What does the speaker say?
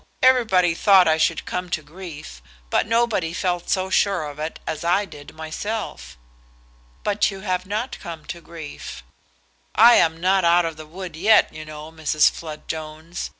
Everybody thought I should come to grief; but nobody felt so sure of it as I did myself." "But you have not come to grief." "I am not out of the wood yet, you know, Mrs. Flood Jones.